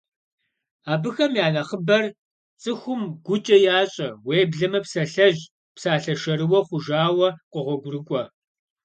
Абыхэм я нэхъыбэр цӀыхум гукӀэ ящӀэ, уеблэмэ псалъэжь, псалъэ шэрыуэ хъужауэ къогъуэгурыкӀуэ.